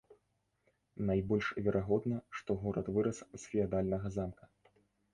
Найбольш верагодна, што горад вырас з феадальнага замка.